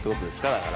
だから。